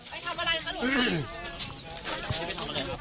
ไปทำอะไรคะหลวงพระภิกษุสงฆ์